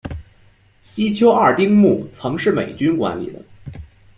西丘二丁目曾是美军管理的。